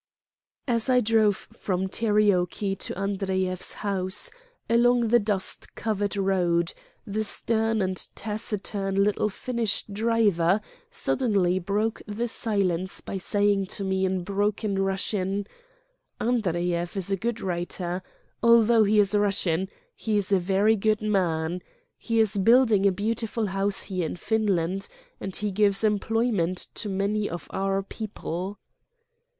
As I drove from Terioki to Andreyev's house, along the dust covered road, the stern and taciturn little Finnish driver suddenly broke the silence by saying to me in broken Russian :" Andreyev is a good writer. ... Although he is a Russian, he is a very good man. He is build ing a beautiful house here in Finland, and he gives employment to many of our people.